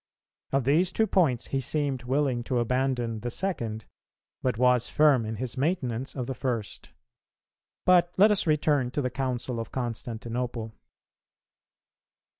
Of these two points, he seemed willing to abandon the second, but was firm in his maintenance of the first. But let us return to the Council of Constantinople.